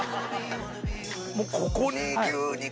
もうここに牛肉！